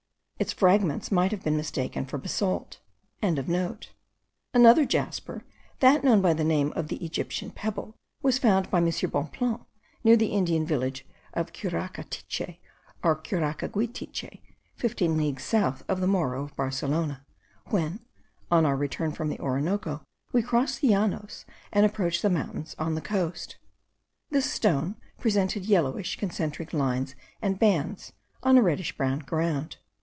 Its fragments might have been mistaken for basalt.) Another jasper, that known by the name of the Egyptian pebble, was found by M. Bonpland near the Indian village of Curacatiche or Curacaguitiche, fifteen leagues south of the Morro of Barcelona, when, on our return from the Orinoco, we crossed the llanos, and approached the mountains on the coast. This stone presented yellowish concentric lines and bands, on a reddish brown ground.